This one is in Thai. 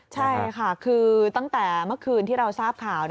ใช่ค่ะคือตั้งแต่เมื่อคืนที่เราทราบข่าว